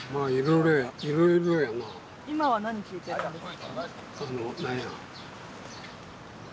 いまは何聴いているんですか？